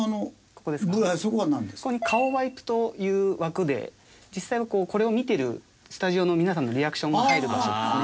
ここに顔ワイプという枠で実際はこれを見てるスタジオの皆さんのリアクションが入る場所ですね。